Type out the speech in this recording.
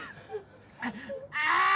ああ！